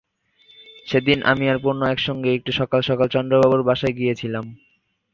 সেদিন আমি আর পূর্ণ একসঙ্গেই একটু সকাল-সকাল চন্দ্রবাবুর বাসায় গিয়েছিলেম।